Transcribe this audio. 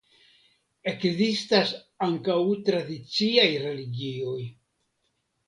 Ekzistas ankaŭ tradiciaj religioj.